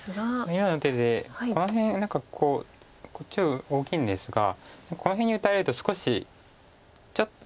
今の手でこの辺何かこうこっちを大きいんですがこの辺に打たれると少しちょっと。